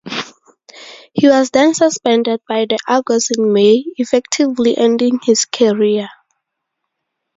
He was then suspended by the Argos in May, effectively ending his career.